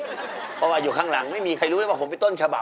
เพราะว่าอยู่ข้างหลังไม่มีใครรู้เลยว่าผมไปต้นฉบับ